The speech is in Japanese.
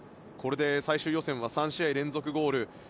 これで最終予選は３試合連続ゴール。